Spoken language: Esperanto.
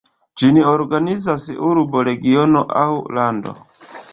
Ĝin organizas urbo, regiono aŭ lando.